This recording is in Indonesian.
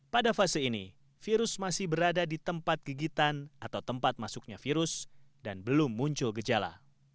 pada fase ini virus masih berada di tempat gigitan atau tempat masuknya virus dan belum muncul gejala